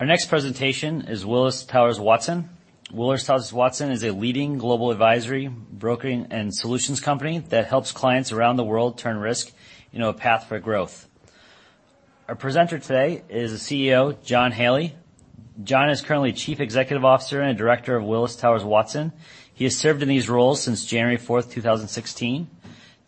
Our next presentation is Willis Towers Watson. Willis Towers Watson is a leading global advisory, brokering, and solutions company that helps clients around the world turn risk into a path for growth. Our presenter today is the CEO, John Haley. John is currently Chief Executive Officer and Director of Willis Towers Watson. He has served in these roles since January 4th, 2016.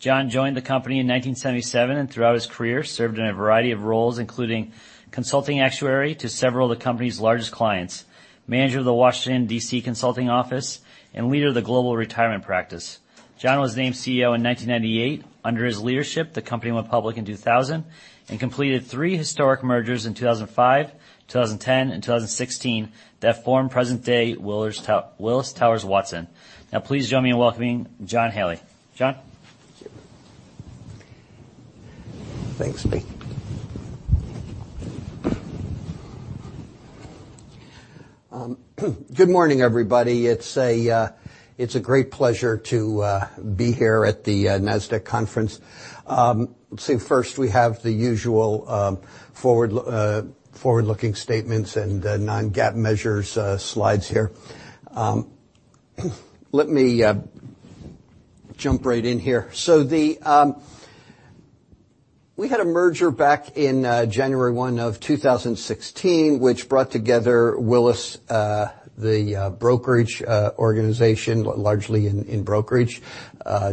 John joined the company in 1977, and throughout his career, served in a variety of roles, including consulting actuary to several of the company's largest clients, manager of the Washington, D.C., consulting office, and leader of the global retirement practice. John was named CEO in 1998. Under his leadership, the company went public in 2000 and completed three historic mergers in 2005, 2010, and 2016 that form present-day Willis Towers Watson. Please join me in welcoming John Haley. John? Thank you. Thanks, Blake. Good morning, everybody. It's a great pleasure to be here at the Nasdaq conference. First, we have the usual forward-looking statements and non-GAAP measures slides here. Let me jump right in here. We had a merger back in January 1, 2016, which brought together Willis, the brokerage organization, largely in brokerage,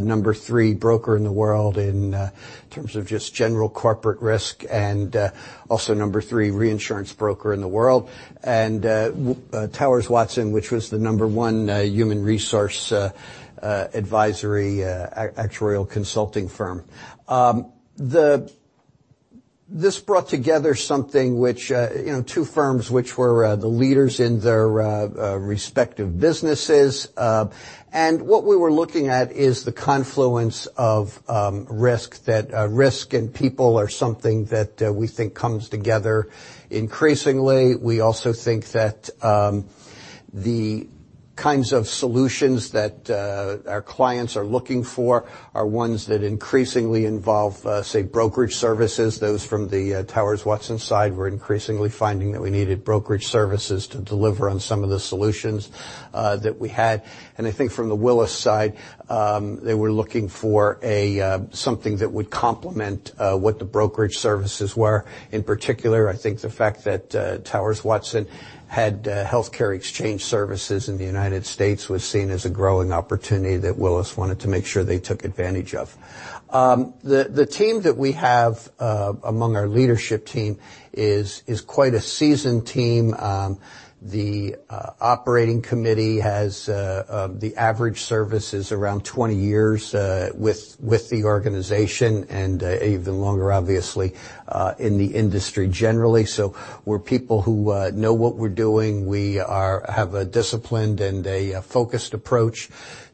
number three broker in the world in terms of just general corporate risk, and also number three reinsurance broker in the world, and Towers Watson, which was the number one human resource advisory actuarial consulting firm. This brought together two firms which were the leaders in their respective businesses. What we were looking at is the confluence of risk, that risk and people are something that we think comes together increasingly. We also think that the kinds of solutions that our clients are looking for are ones that increasingly involve, say, brokerage services. Those from the Towers Watson side were increasingly finding that we needed brokerage services to deliver on some of the solutions that we had. I think from the Willis side, they were looking for something that would complement what the brokerage services were. In particular, I think the fact that Towers Watson had healthcare exchange services in the U.S. was seen as a growing opportunity that Willis wanted to make sure they took advantage of. The team that we have among our leadership team is quite a seasoned team. The operating committee has the average service is around 20 years with the organization, and even longer, obviously, in the industry generally. We're people who know what we're doing. We have a disciplined and a focused approach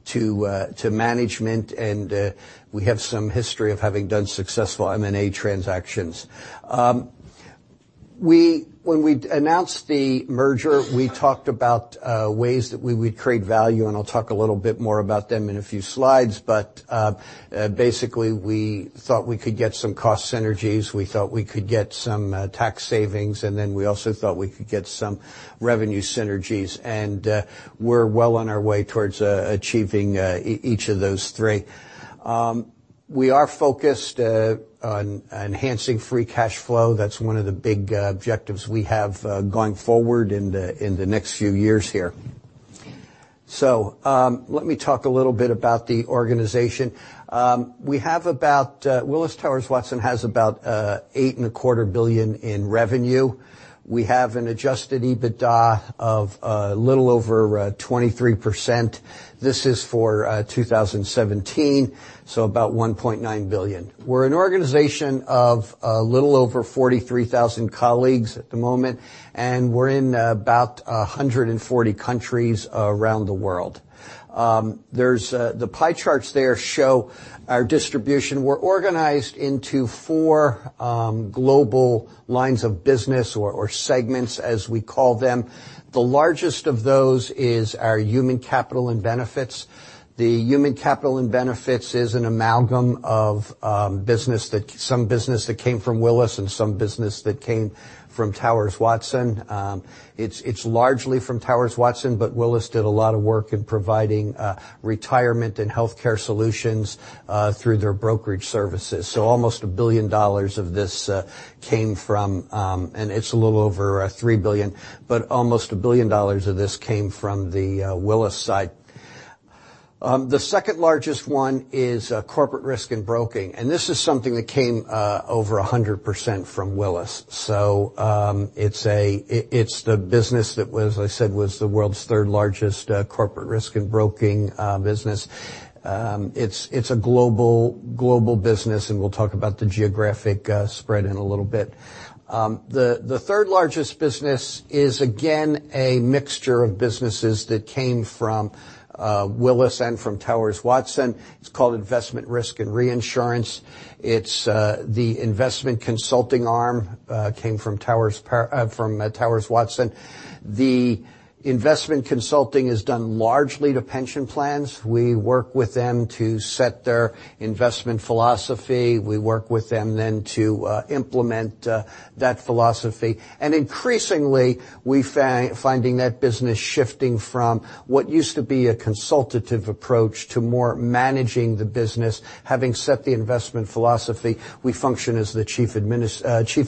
to management, and we have some history of having done successful M&A transactions. When we announced the merger, we talked about ways that we would create value, and I'll talk a little bit more about them in a few slides, but basically, we thought we could get some cost synergies. We thought we could get some tax savings, and then we also thought we could get some revenue synergies. We're well on our way towards achieving each of those three. We are focused on enhancing free cash flow. That's one of the big objectives we have going forward in the next few years here. Let me talk a little bit about the organization. Willis Towers Watson has about $8.25 billion in revenue. We have an adjusted EBITDA of a little over 23%. This is for 2017, so about $1.9 billion. We're an organization of a little over 43,000 colleagues at the moment, and we're in about 140 countries around the world. The pie charts there show our distribution. We're organized into four global lines of business or segments, as we call them. The largest of those is our Human Capital and Benefits. The Human Capital and Benefits is an amalgam of some business that came from Willis and some business that came from Towers Watson. It's largely from Towers Watson, but Willis did a lot of work in providing retirement and healthcare solutions through their brokerage services. Almost $1 billion of this came from, and it's a little over $3 billion, but almost $1 billion of this came from the Willis side. The second-largest one is Corporate Risk and Broking, and this is something that came over 100% from Willis. It's the business that, as I said, was the world's third-largest Corporate Risk and Broking business. It's a global business, and we'll talk about the geographic spread in a little bit. The third-largest business is, again, a mixture of businesses that came from Willis and from Towers Watson. It's called Investment, Risk and Reinsurance. The investment consulting arm came from Towers Watson. The investment consulting is done largely to pension plans. We work with them to set their investment philosophy. We work with them then to implement that philosophy. And increasingly, we're finding that business shifting from what used to be a consultative approach to more managing the business. Having set the investment philosophy, we function as the chief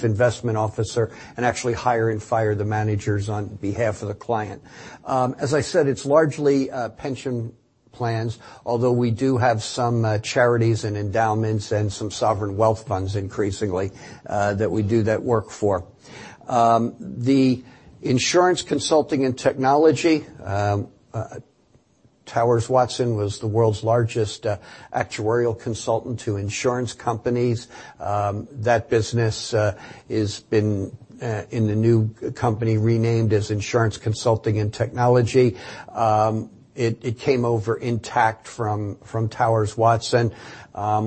investment officer and actually hire and fire the managers on behalf of the client. As I said, it's largely pension plans, although we do have some charities and endowments and some sovereign wealth funds, increasingly, that we do that work for. The Insurance Consulting and Technology, Towers Watson was the world's largest actuarial consultant to insurance companies. That business has been in the new company renamed as Insurance Consulting and Technology. It came over intact from Towers Watson.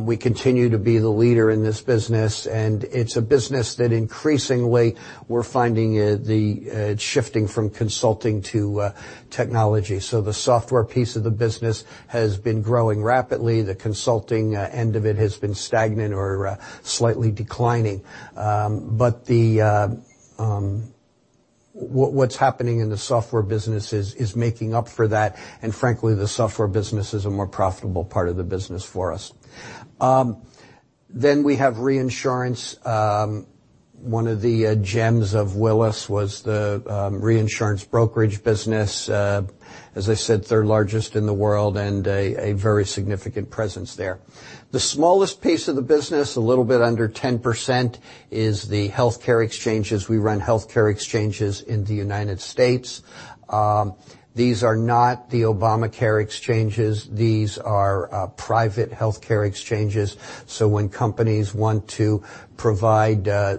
We continue to be the leader in this business, and it's a business that increasingly we're finding it shifting from consulting to technology. The software piece of the business has been growing rapidly. The consulting end of it has been stagnant or slightly declining. But what's happening in the software business is making up for that, and frankly, the software business is a more profitable part of the business for us. Then we have reinsurance. One of the gems of Willis was the reinsurance brokerage business. As I said, third largest in the world and a very significant presence there. The smallest piece of the business, a little bit under 10%, is the healthcare exchanges. We run healthcare exchanges in the U.S. These are not the Obamacare exchanges. These are private healthcare exchanges. So when companies want to provide their,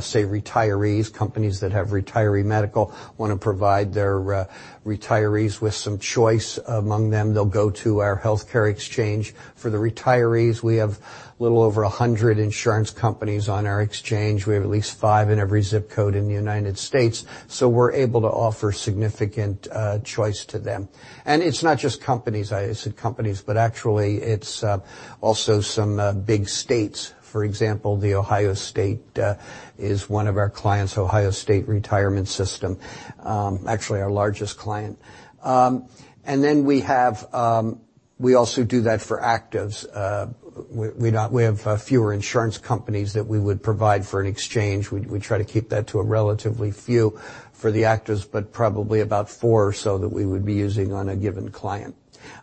say, retirees, companies that have retiree medical want to provide their retirees with some choice. Among them, they'll go to our healthcare exchange. For the retirees, we have a little over 100 insurance companies on our exchange. We have at least five in every zip code in the U.S., so we're able to offer significant choice to them. And it's not just companies, I said companies, but actually it's also some big states. For example, the Ohio state is one of our clients, Ohio Public Employees Retirement System, actually our largest client. We also do that for actives. We have fewer insurance companies that we would provide for an exchange. We try to keep that to a relatively few for the actives, but probably about four or so that we would be using on a given client.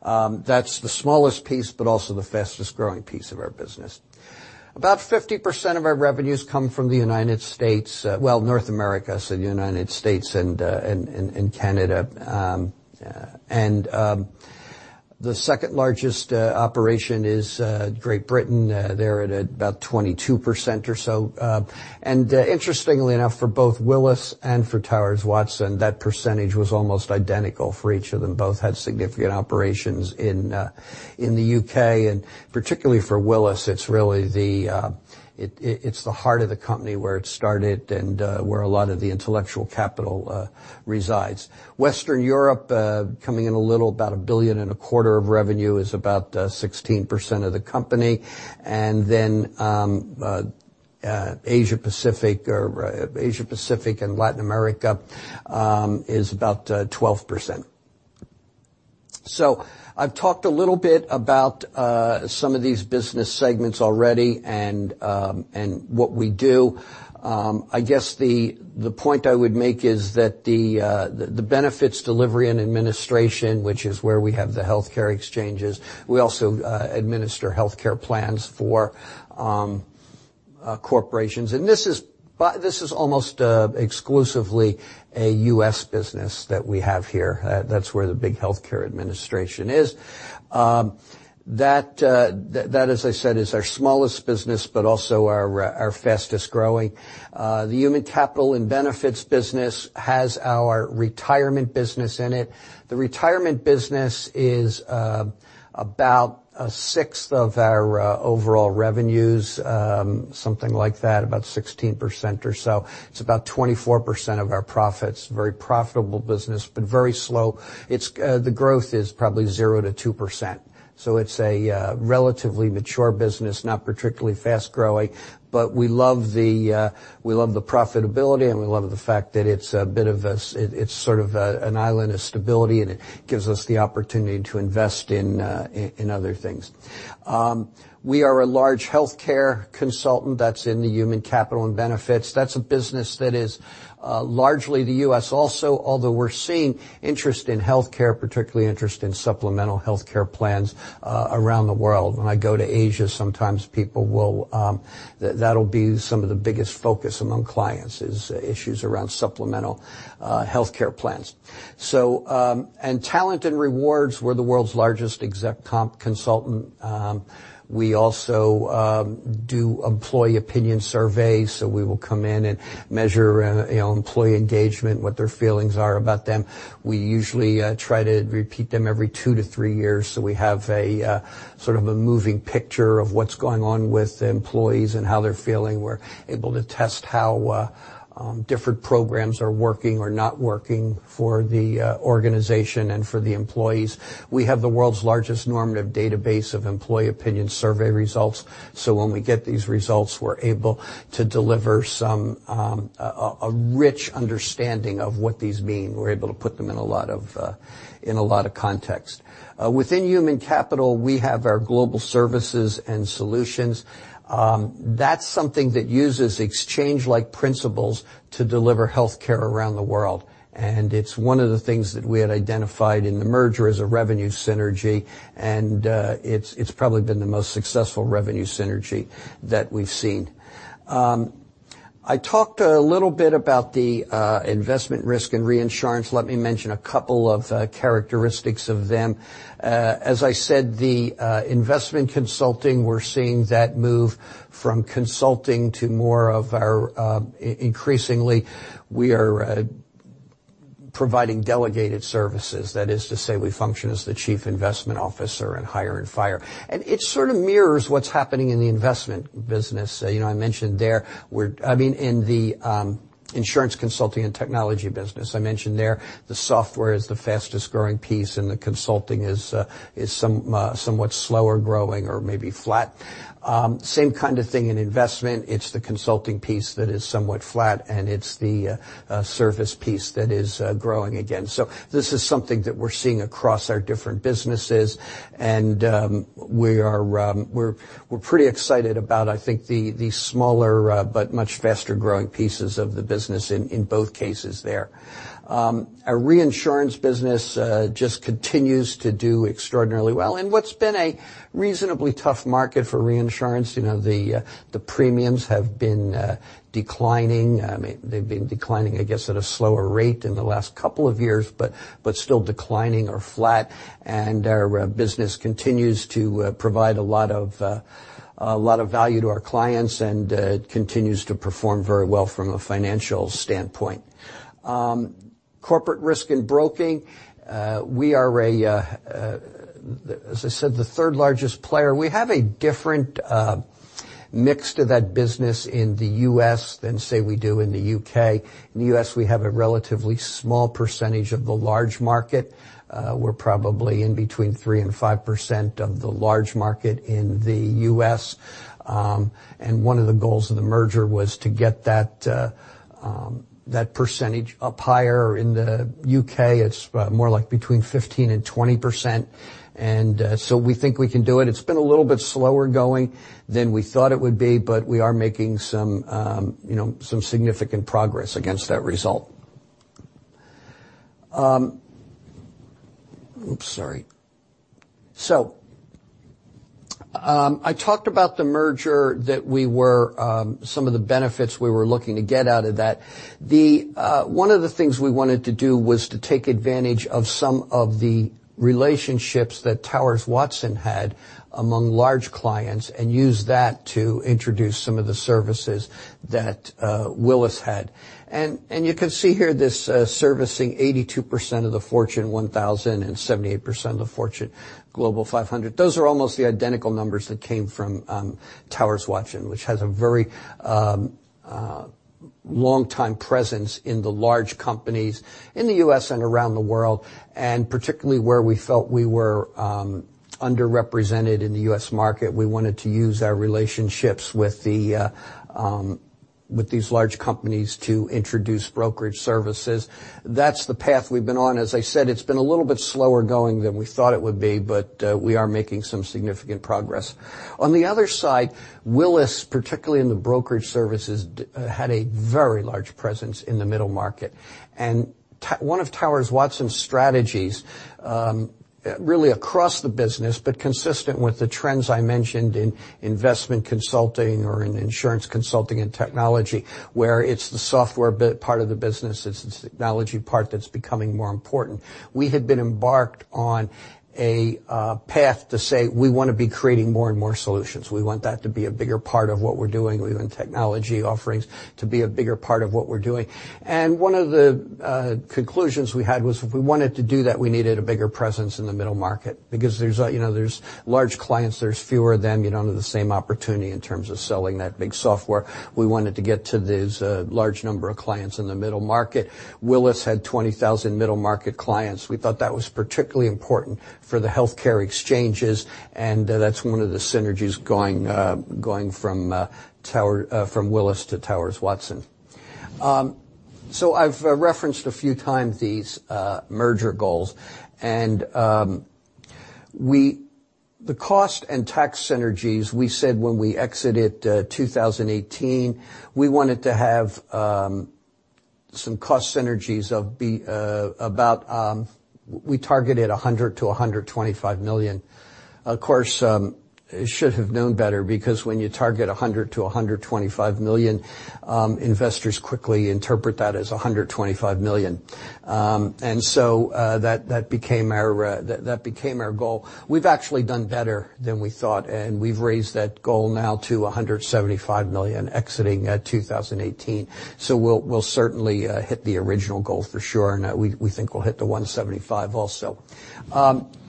That's the smallest piece, but also the fastest-growing piece of our business. About 50% of our revenues come from the U.S., well, North America, so the U.S. and Canada. The second-largest operation is Great Britain. They're at about 22% or so. Interestingly enough, for both Willis and for Towers Watson, that percentage was almost identical for each of them. Both had significant operations in the U.K., particularly for Willis, it's the heart of the company, where it started and where a lot of the intellectual capital resides. Western Europe, coming in a little about a billion and a quarter of USD revenue is about 16% of the company. Asia Pacific and Latin America is about 12%. I've talked a little bit about some of these business segments already and what we do. I guess the point I would make is that the Benefits Delivery and Administration, which is where we have the healthcare exchanges, we also administer healthcare plans for corporations, and this is almost exclusively a U.S. business that we have here. That's where the big healthcare administration is. That, as I said, is our smallest business, but also our fastest-growing. The Human Capital and Benefits business has our retirement business in it. The retirement business is about a sixth of our overall USD revenues, something like that, about 16% or so. It's about 24% of our profits. Very profitable business, but very slow. The growth is probably 0%-2%. It's a relatively mature business, not particularly fast-growing, but we love the profitability, and we love the fact that it's sort of an island of stability, and it gives us the opportunity to invest in other things. We are a large healthcare consultant that's in the Human Capital and Benefits. That's a business that is largely the U.S. also, although we're seeing interest in healthcare, particularly interest in supplemental healthcare plans around the world. When I go to Asia, sometimes that'll be some of the biggest focus among clients is issues around supplemental healthcare plans. Talent and rewards, we're the world's largest exec comp consultant. We also do employee opinion surveys. We will come in and measure employee engagement, what their feelings are about them. We usually try to repeat them every two to three years, so we have a sort of a moving picture of what's going on with employees and how they're feeling. We're able to test how different programs are working or not working for the organization and for the employees. We have the world's largest normative database of employee opinion survey results. When we get these results, we're able to deliver a rich understanding of what these mean. We're able to put them in a lot of context. Within Human Capital, we have our Global Services and Solutions. That's something that uses exchange-like principles to deliver healthcare around the world. It's one of the things that we had identified in the merger as a revenue synergy, and it's probably been the most successful revenue synergy that we've seen. I talked a little bit about the Investment, Risk and Reinsurance. Let me mention a couple of characteristics of them. As I said, the investment consulting, we're seeing that move from consulting to more of our, increasingly, we are providing delegated services. That is to say, we function as the chief investment officer and hire and fire. It sort of mirrors what's happening in the investment business. I mentioned there, in the Insurance Consulting and Technology business, I mentioned there the software is the fastest-growing piece, and the consulting is somewhat slower growing or maybe flat. Same kind of thing in investment. It's the consulting piece that is somewhat flat, and it's the service piece that is growing again. This is something that we're seeing across our different businesses, and we're pretty excited about, I think, the smaller but much faster-growing pieces of the business in both cases there. Our reinsurance business just continues to do extraordinarily well in what's been a reasonably tough market for reinsurance. The premiums have been declining. They've been declining, I guess, at a slower rate in the last two years, but still declining or flat. Our business continues to provide a lot of value to our clients and continues to perform very well from a financial standpoint. Corporate Risk and Broking, we are, as I said, the third-largest player. We have a different mix to that business in the U.S. than, say, we do in the U.K. In the U.S., we have a relatively small percentage of the large market. We're probably in between 3% and 5% of the large market in the U.S. One of the goals of the merger was to get that percentage up higher. In the U.K., it's more like between 15% and 20%. We think we can do it. It's been a little bit slower going than we thought it would be, but we are making some significant progress against that result. Oops, sorry. I talked about the merger, some of the benefits we were looking to get out of that. One of the things we wanted to do was to take advantage of some of the relationships that Towers Watson had among large clients and use that to introduce some of the services that Willis had. You can see here, this servicing 82% of the Fortune 1000 and 78% of the Fortune Global 500. Those are almost the identical numbers that came from Towers Watson, which has a very longtime presence in the large companies in the U.S. and around the world. Particularly where we felt we were underrepresented in the U.S. market, we wanted to use our relationships with these large companies to introduce brokerage services. That's the path we've been on. As I said, it's been a little bit slower going than we thought it would be, but we are making some significant progress. On the other side, Willis, particularly in the brokerage services, had a very large presence in the middle market. One of Towers Watson's strategies, really across the business, but consistent with the trends I mentioned in investment consulting or in Insurance Consulting and Technology, where it's the software part of the business, it's the technology part that's becoming more important. We had been embarked on a path to say we want to be creating more and more solutions. We want that to be a bigger part of what we're doing. We want technology offerings to be a bigger part of what we're doing. One of the conclusions we had was if we wanted to do that, we needed a bigger presence in the middle market because there's large clients, there's fewer of them, you don't have the same opportunity in terms of selling that big software. We wanted to get to these large number of clients in the middle market. Willis had 20,000 middle market clients. We thought that was particularly important for the healthcare exchanges, and that's one of the synergies going from Willis to Towers Watson. I've referenced a few times these merger goals. The cost and tax synergies we said when we exited 2018, we wanted to have some cost synergies of about-- we targeted $100 million-$125 million. Of course, should have known better because when you target $100 million-$125 million, investors quickly interpret that as $125 million. That became our goal. We've actually done better than we thought, and we've raised that goal now to $175 million exiting 2018. We'll certainly hit the original goal for sure. We think we'll hit the $175 million also.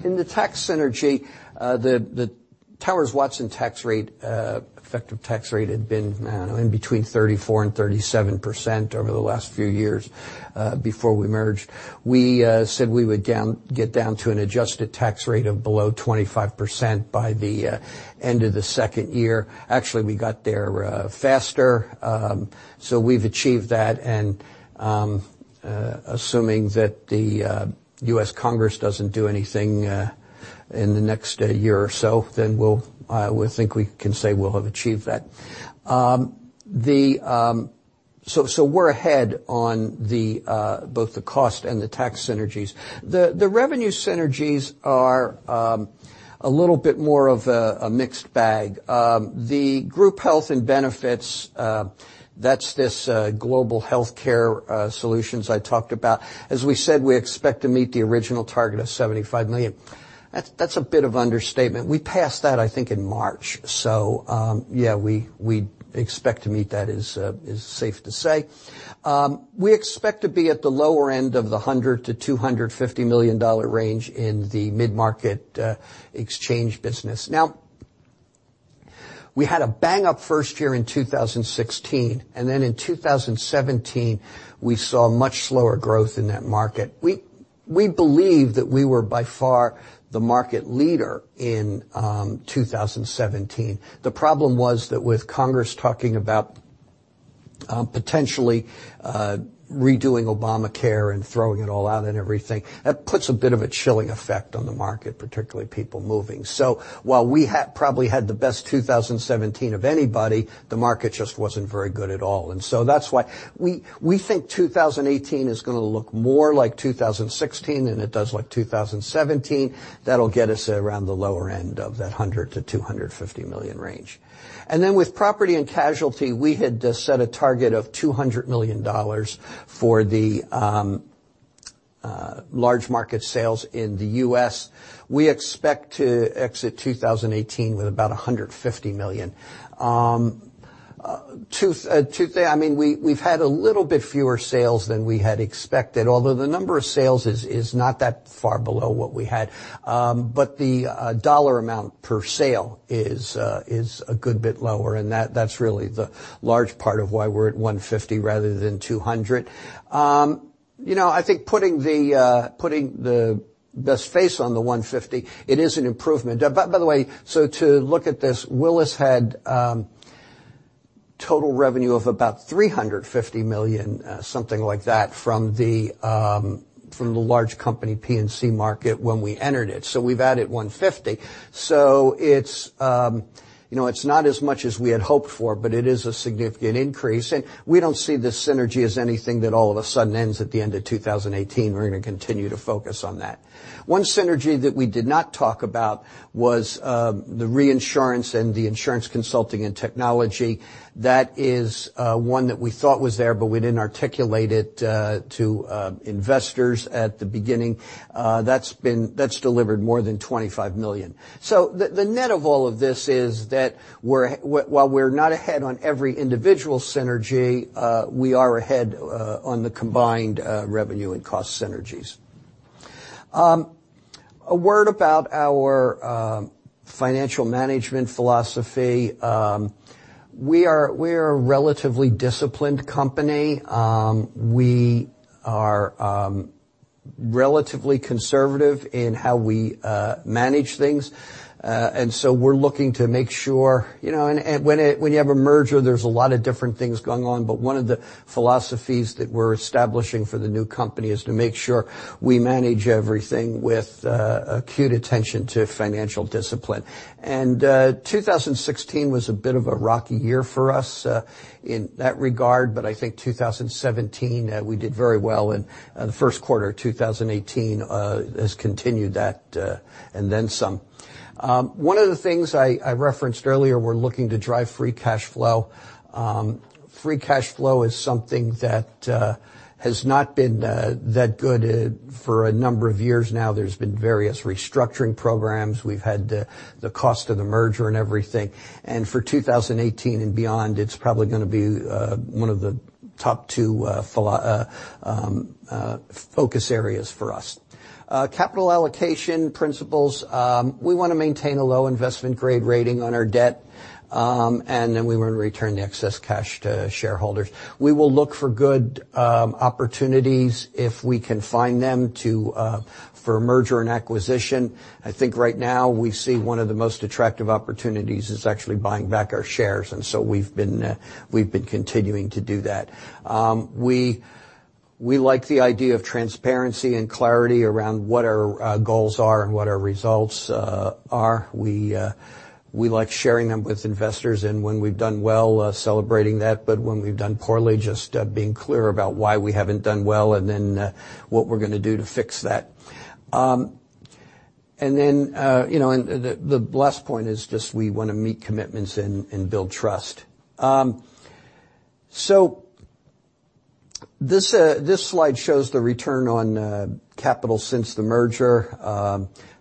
In the tax synergy, the Towers Watson tax rate, effective tax rate, had been in between 34%-37% over the last few years before we merged. We said we would get down to an adjusted tax rate of below 25% by the end of the second year. Actually, we got there faster. We've achieved that, assuming that the U.S. Congress doesn't do anything in the next year or so, we think we can say we'll have achieved that. We're ahead on both the cost and the tax synergies. The revenue synergies are a little bit more of a mixed bag. The group health and benefits, that's this global healthcare solutions I talked about. As we said, we expect to meet the original target of $75 million. That's a bit of an understatement. We passed that, I think, in March. Yeah, we expect to meet that, is safe to say. We expect to be at the lower end of the $100 million-$250 million range in the mid-market exchange business. We had a bang-up first year in 2016, and in 2017, we saw much slower growth in that market. We believe that we were by far the market leader in 2017. The problem was that with Congress talking about potentially redoing Obamacare and throwing it all out and everything, that puts a bit of a chilling effect on the market, particularly people moving. While we probably had the best 2017 of anybody, the market just wasn't very good at all. That's why we think 2018 is going to look more like 2016 than it does like 2017. That'll get us around the lower end of that $100 million-$250 million range. With property and casualty, we had set a target of $200 million for the large market sales in the U.S. We expect to exit 2018 with about $150 million. I mean, we've had a little bit fewer sales than we had expected, although the number of sales is not that far below what we had. The dollar amount per sale is a good bit lower, and that's really the large part of why we're at $150 rather than $200. I think putting the best face on the $150, it is an improvement. By the way, to look at this, Willis had total revenue of about $350 million, something like that, from the large company P&C market when we entered it. We've added $150. It's not as much as we had hoped for, but it is a significant increase. We don't see this synergy as anything that all of a sudden ends at the end of 2018. We're going to continue to focus on that. One synergy that we did not talk about was the reinsurance and the Insurance Consulting and Technology. That is one that we thought was there, but we didn't articulate it to investors at the beginning. That's delivered more than $25 million. The net of all of this is that while we're not ahead on every individual synergy, we are ahead on the combined revenue and cost synergies. A word about our financial management philosophy. We are a relatively disciplined company. We are relatively conservative in how we manage things. We're looking to make sure, and when you have a merger, there's a lot of different things going on, but one of the philosophies that we're establishing for the new company is to make sure we manage everything with acute attention to financial discipline. 2016 was a bit of a rocky year for us in that regard. I think 2017, we did very well, and the first quarter of 2018 has continued that and then some. One of the things I referenced earlier, we're looking to drive free cash flow. Free cash flow is something that has not been that good for a number of years now. There's been various restructuring programs. We've had the cost of the merger and everything. For 2018 and beyond, it's probably going to be one of the top two focus areas for us. Capital allocation principles, we want to maintain a low investment-grade rating on our debt, then we want to return the excess cash to shareholders. We will look for good opportunities if we can find them for merger and acquisition. I think right now, we see one of the most attractive opportunities is actually buying back our shares, so we've been continuing to do that. We like the idea of transparency and clarity around what our goals are and what our results are. We like sharing them with investors, when we've done well, celebrating that, when we've done poorly, just being clear about why we haven't done well and then what we're going to do to fix that. The last point is just we want to meet commitments and build trust. This slide shows the return on capital since the merger,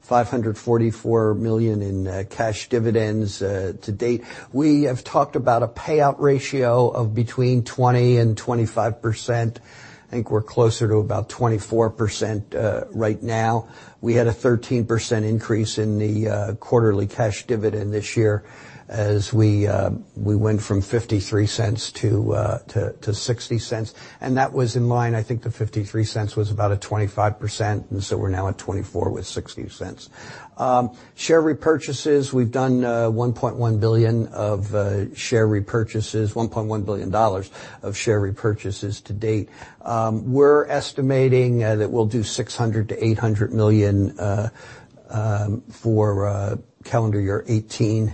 $544 million in cash dividends to date. We have talked about a payout ratio of between 20% and 25%. I think we're closer to about 24% right now. We had a 13% increase in the quarterly cash dividend this year as we went from $0.53 to $0.60. That was in line, I think, the $0.53 was about a 25%. We're now at 24 with $0.60. Share repurchases, we've done $1.1 billion of share repurchases, $1.1 billion of share repurchases to date. We're estimating that we'll do $600 million-$800 million for calendar year 2018.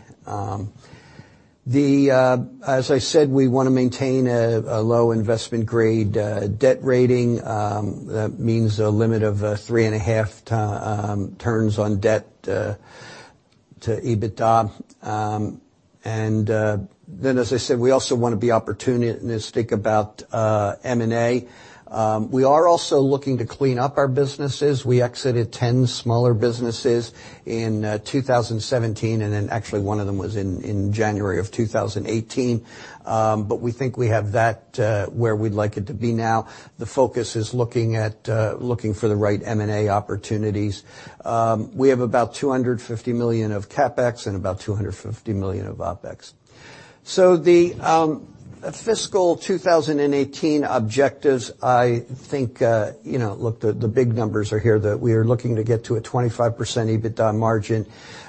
As I said, we want to maintain a low investment grade debt rating. That means a limit of 3.5 turns on debt to EBITDA. As I said, we also want to be opportunistic about M&A. We are also looking to clean up our businesses. We exited 10 smaller businesses in 2017. Actually one of them was in January of 2018. We think we have that where we'd like it to be now. The focus is looking for the right M&A opportunities. We have about $250 million of CapEx and about $250 million of OpEx. The fiscal 2018 objectives, I think look, the big numbers are here, that we are looking to get to a 25% EBITDA margin.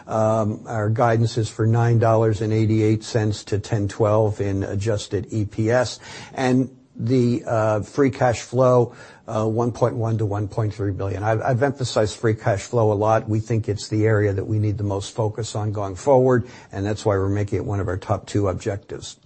Our guidance is for $9.88-$10.12 in adjusted EPS and the free cash flow, $1.1 billion-$1.3 billion. I've emphasized free cash flow a lot. We think it's the area that we need the most focus on going forward, and that's why we're making it one of our top two objectives.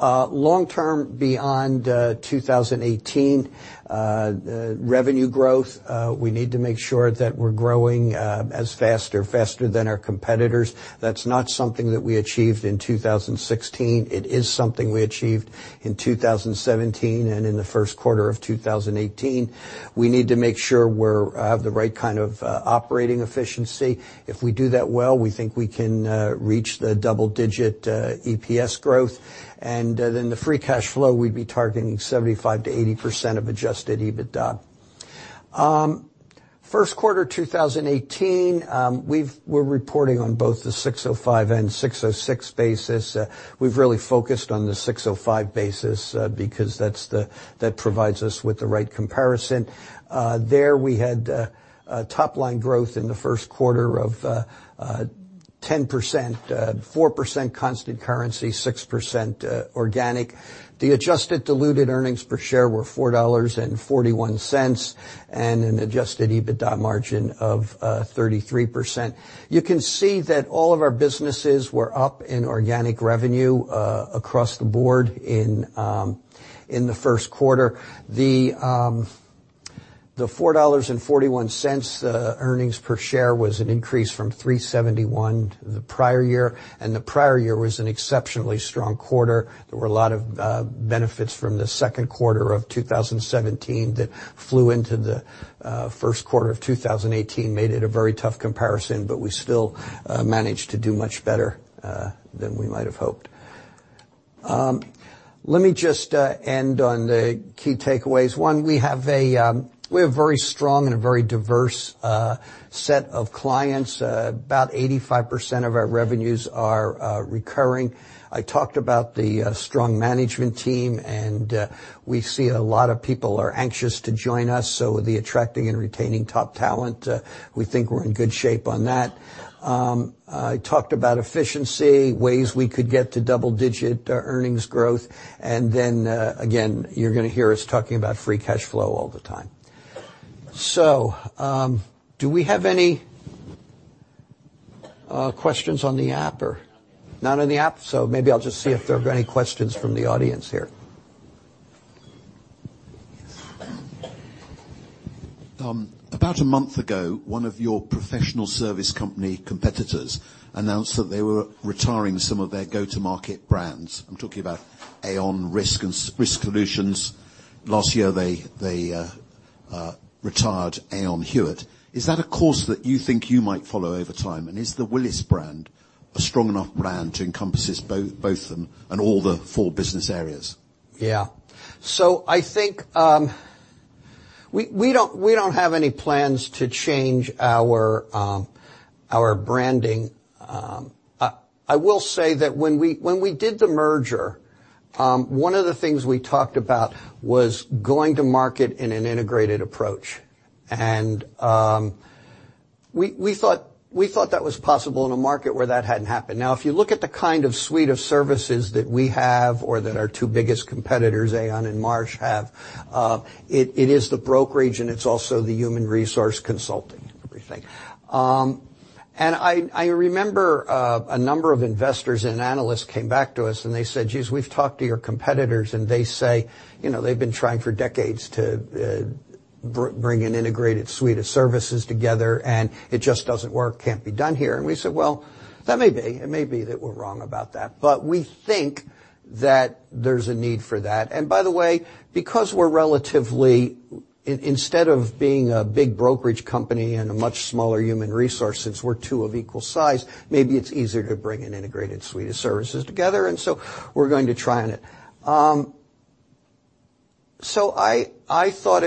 Long term, beyond 2018, revenue growth, we need to make sure that we're growing as fast or faster than our competitors. That's not something that we achieved in 2016. It is something we achieved in 2017 and in the first quarter of 2018. We need to make sure we have the right kind of operating efficiency. If we do that well, we think we can reach the double-digit EPS growth. The free cash flow, we'd be targeting 75%-80% of adjusted EBITDA. First quarter 2018, we're reporting on both the ASC 605 and ASC 606 basis. We've really focused on the ASC 605 basis because that provides us with the right comparison. There we had top line growth in the first quarter of 10%, 4% constant currency, 6% organic. The adjusted diluted earnings per share were $4.41 and an adjusted EBITDA margin of 33%. You can see that all of our businesses were up in organic revenue across the board in the first quarter. The $4.41 earnings per share was an increase from $3.71 the prior year. The prior year was an exceptionally strong quarter. There were a lot of benefits from the second quarter of 2017 that flew into the first quarter of 2018, made it a very tough comparison. We still managed to do much better than we might have hoped. Let me just end on the key takeaways. One, we have a very strong and a very diverse set of clients. About 85% of our revenues are recurring. I talked about the strong management team. We see a lot of people are anxious to join us, the attracting and retaining top talent, we think we're in good shape on that. I talked about efficiency, ways we could get to double-digit earnings growth. Again, you're going to hear us talking about free cash flow all the time. Do we have any questions on the app or-- Not on the app? Maybe I'll just see if there are any questions from the audience here. About a month ago, one of your professional service company competitors announced that they were retiring some of their go-to-market brands. I'm talking about Aon Risk Solutions. Last year, they retired Aon Hewitt. Is that a course that you think you might follow over time? Is the Willis brand a strong enough brand to encompass both of them and all the four business areas? I think we don't have any plans to change our branding. I will say that when we did the merger, one of the things we talked about was going to market in an integrated approach. We thought that was possible in a market where that hadn't happened. If you look at the kind of suite of services that we have or that our two biggest competitors, Aon and Marsh have, it is the brokerage, and it's also the human resource consulting, let me think. I remember a number of investors and analysts came back to us, and they said, "Geez, we've talked to your competitors, and they say they've been trying for decades to bring an integrated suite of services together, and it just doesn't work, can't be done here." We said, "Well, that may be. It may be that we're wrong about that." We think that there's a need for that. Because we're relatively, instead of being a big brokerage company and a much smaller human resource, since we're two of equal size, maybe it's easier to bring an integrated suite of services together, and so we're going to try on it. I thought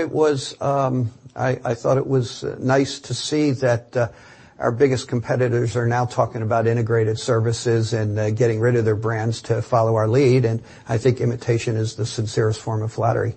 it was nice to see that our biggest competitors are now talking about integrated services and getting rid of their brands to follow our lead, and I think imitation is the sincerest form of flattery